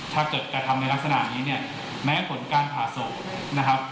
ถ้าการทำลักษณะนี้แม้ผลการผ่าโศก